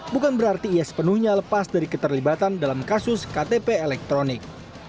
bukan berarti ia sepenuhnya lepas dari keterlibatan dalam kasus ktp elektronik